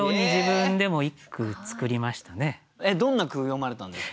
どんな句詠まれたんですか？